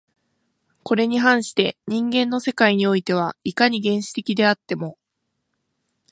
これに反して人間の世界においては、いかに原始的であっても